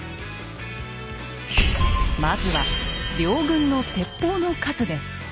まずは両軍の鉄砲の数です。